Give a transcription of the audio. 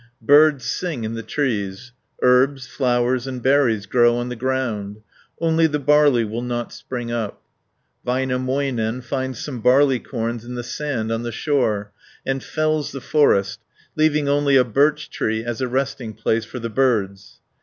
Birds sing in the trees; herbs, flowers and berries grow on the ground; only the barley will not spring up (225 256). Väinämöinen finds some barleycorns in the sand on the shore, and fells the forest, leaving only a birch tree as a resting place for the birds (257 264).